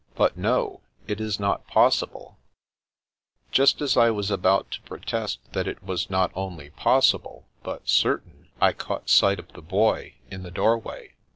" But no, it is not possible !" Just as I was about to protest that it was not only possible, but certain, I caught sight of the Boy, in the doorway.